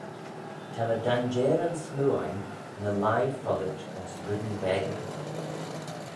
Ta ny danjeyryn smoo ain ny lhie follit ayns reddyn beggey.